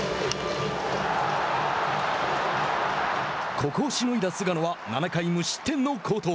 ここをしのいだ菅野は７回無失点の好投。